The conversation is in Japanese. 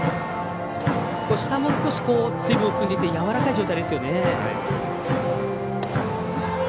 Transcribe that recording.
下も少し水分を含んでいてやわらかい状態ですよね。